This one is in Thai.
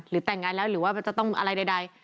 แต่งงานแล้วหรือว่าจะต้องอะไรใด